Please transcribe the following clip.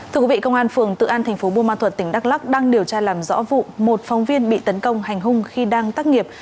thưa quý vị công an phường tự an tp bùa ma thuật tỉnh đắk lắc đang điều tra làm rõ vụ một phóng viên bị tấn công hành hung khi đang tắt nghiệp